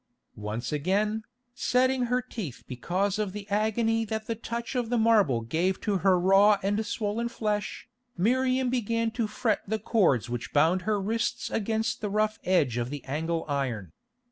Once again, setting her teeth because of the agony that the touch of the marble gave to her raw and swollen flesh, Miriam began to fret the cords which bound her wrists against the rough edge of the angle iron.